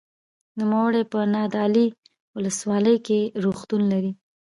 نوموړی په نادعلي ولسوالۍ کې روغتون لري.